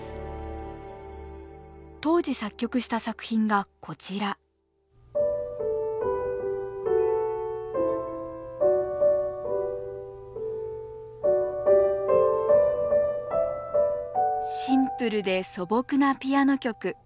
当時作曲した作品がこちらシンプルで素朴なピアノ曲。